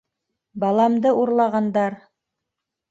Баламды урлағандар!